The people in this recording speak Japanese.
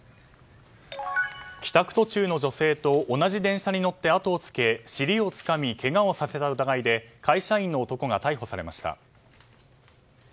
帰宅途中の女性と同じ電車に乗って後をつけ尻をつかみけがをさせた疑いで会社員の男が逮捕されました。